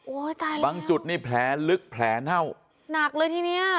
โอ้ยตายแล้วบางจุดนี่แผลลึกแผลเน่าหนักเลยที่เนี้ย